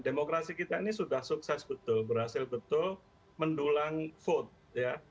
demokrasi kita ini sudah sukses betul berhasil betul mendulang vote ya